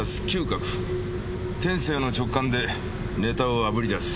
天性の直感でネタをあぶりだす。